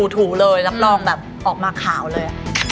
ถูเลยรับรองแบบออกมาขาวเลย